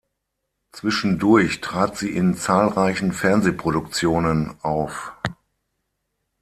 Zwischendurch trat sie in zahlreichen Fernsehproduktionen auf.